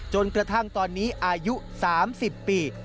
จนกระทั่งตอนนี้อายุ๓๐ปี